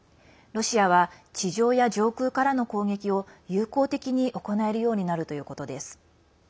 ロシアは地上や上空からの攻撃を有効的に行えるようになるということです。